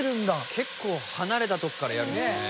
結構離れたとこからやるんですね。